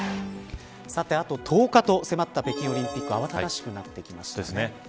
さて、あと１０日と迫った北京オリンピック慌ただしくなってきました。